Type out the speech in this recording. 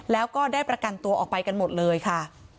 แล้วก็ได้ประกันตัวออกไปกันหมดเลยค่ะ